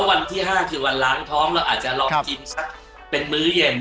วันที่๕คือวันล้างท้องเราอาจจะลองกินสักเป็นมื้อเย็น